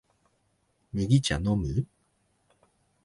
麦茶のむ？